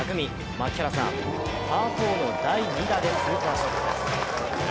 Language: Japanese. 槙原さん、パー４の第２打でスーパーショットです。